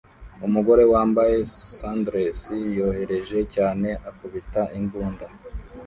Umugore wambaye sundress yoroheje cyane akubita imbunda